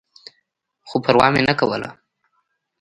خو پروا مې نه کوله.